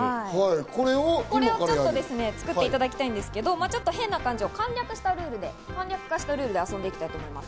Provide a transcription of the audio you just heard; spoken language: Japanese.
これを作っていただきたいんですけど、変な感じを簡略化したルールで遊んでいきたいと思います。